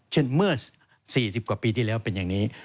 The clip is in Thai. เมื่อ๔๐กว่าปีที่แล้วเป็นอย่างนี้